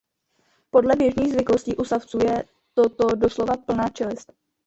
Podle běžných zvyklostí u savců je toto doslova plná čelist.